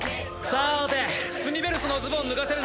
さーてスニベルスのズボン脱がせるの